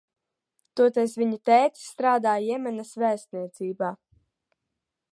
Toties viņa tētis strādā Jemenas vēstniecībā.